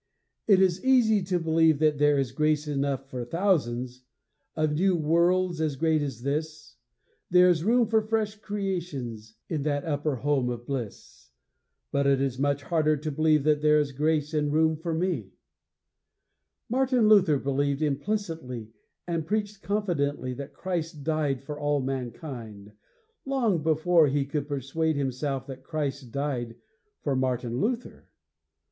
It is easy to believe that There is grace enough for thousands Of new worlds as great as this; There is room for fresh creations In that upper home of bliss; but it is much harder to believe that there is grace and room for me. Martin Luther believed implicitly and preached confidently that Christ died for all mankind, long before he could persuade himself that Christ died for Martin Luther.